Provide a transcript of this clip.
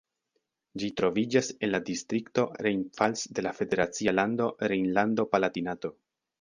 Ĝi troviĝas en la distrikto Rhein-Pfalz de la federacia lando Rejnlando-Palatinato.